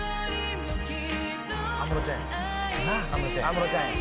安室ちゃんや。